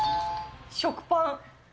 食パン。